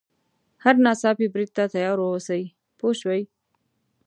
هر ناڅاپي برید ته تیار واوسي پوه شوې!.